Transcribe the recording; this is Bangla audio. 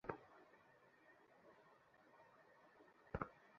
ক্ষুণ্ন দারুকেশ্বর কহিল, কই মশায়, অভাগার অদৃষ্টে মুর্গি বেটা উড়েই গেল নাকি?